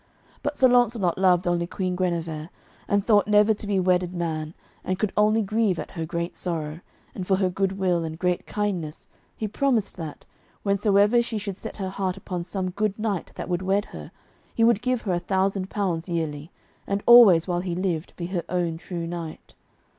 But Sir Launcelot loved only Queen Guenever, and thought never to be wedded man, and could only grieve at her great sorrow; and for her good will and great kindness he promised that, whensoever she should set her heart upon some good knight that would wed her, he would give her a thousand pounds yearly, and always while he lived be her own true knight.